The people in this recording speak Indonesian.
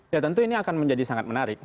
ya tentu ini akan menjadi sangat menarik